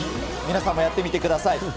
皆さんもやってみてください。